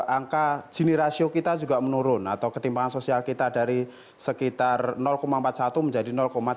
angka jini rasio kita juga menurun atau ketimbangan sosial kita dari sekitar empat puluh satu menjadi tiga puluh sembilan